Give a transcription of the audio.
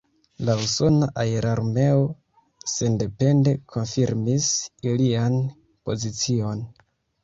La Usona Aerarmeo sendepende konfirmis ilian pozicion.